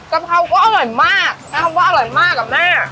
กะเพราก็อร่อยมากใช้คำว่าอร่อยมากอ่ะแม่